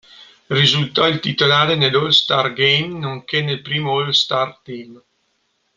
Risultò il titolare nell'All-Star Game nonché nel primo All-Star Team.